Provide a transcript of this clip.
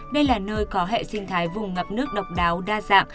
đây là nơi có hệ sinh thái vùng ngập nước độc đáo đa dạng